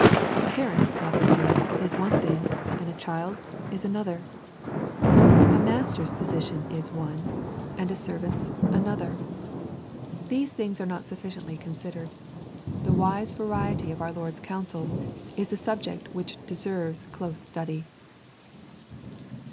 A parent's path of duty is one thing, and a child's is another. A master's position is one, and T<nKE, CHAP. Yni. 279 a servant^s another. These things are not sufficiently considered. The wise varietj cf our Lord's counsels, is a subject which de« serves close study.